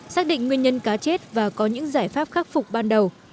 xác định nguyên nhân cá chết và có những giải pháp khắc phục ban đầu